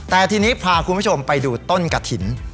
แต่ทีนี้พาคุณผู้ชมไปดูต้นกะถิ่น